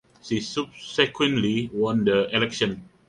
She subsequently won the election.